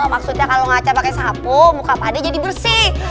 maksudnya kalo ngaca pake sapu muka pak de jadi bersih